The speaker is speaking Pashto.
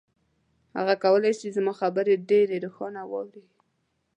هغه کولای شي زما خبرې ډېرې روښانه واوري.